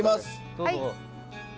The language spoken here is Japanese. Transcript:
どうぞ。